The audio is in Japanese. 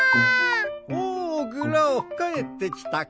おおグラオかえってきたか。